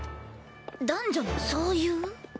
男女のそういう？